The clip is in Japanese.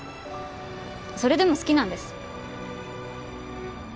それでも好きなんです。